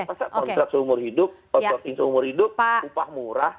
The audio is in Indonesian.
pasal kontrak seumur hidup kontrak kesehatan seumur hidup upah murah